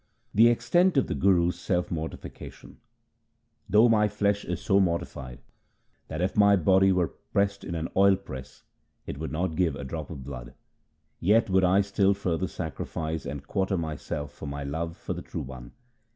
The extent of the Guru's self mortification :— Though my flesh is so mortified that if my body were pressed in an oil press, it would not give a drop of blood, Yet would I still further sacrifice and quarter myself for my love for the True One.